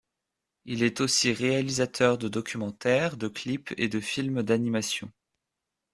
Il est aussi réalisateur de documentaires, de clips et de films d'animation.